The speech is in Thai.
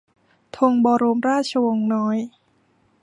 ธงบรมราชวงศ์น้อย